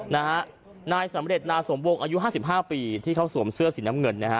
นายสำเร็จนาสมวงอายุห้าสิบห้าปีที่เขาสวมเสื้อสีน้ำเงินนะฮะ